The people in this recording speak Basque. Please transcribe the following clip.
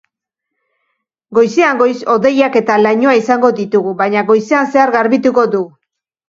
Goizean goiz hodeiak eta lainoa izango ditugu, baina goizean zehar garbituko du.